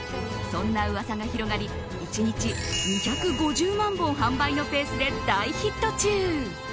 そんな噂が広がり１日２５０万本販売のペースで大ヒット中。